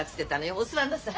お座んなさい。